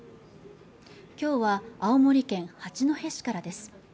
今日は青森県八戸市からです